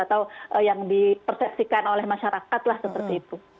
atau yang dipersepsikan oleh masyarakat lah seperti itu